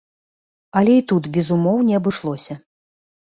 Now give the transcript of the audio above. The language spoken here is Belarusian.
Але і тут без умоў не абышлося.